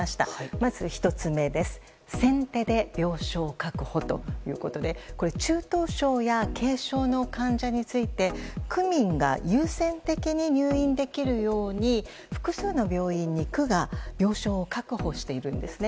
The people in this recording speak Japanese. まず１つ目先手で病床確保ということで中等症や軽症の患者について区民が優先的に入院できるように複数の病院に区が病床を確保しているんですね。